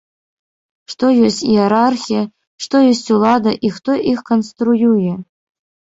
Што ёсць іерархія, што ёсць улада і хто іх канструюе?